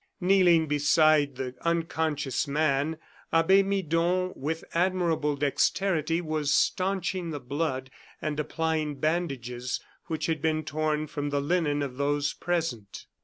Kneeling beside the unconscious man, Abbe Midon, with admirable dexterity, was stanching the blood and applying bandages which had been torn from the linen of those present.